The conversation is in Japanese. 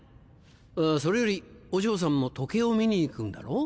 それよりお嬢さんも時計を見に行くんだろ？